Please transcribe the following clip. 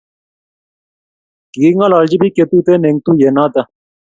kikingololchi pik che Tuten en tuyet noton